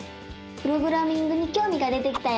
プログラミングにきょうみが出てきたよ！